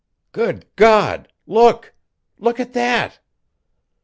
"Good God look! Look at that!"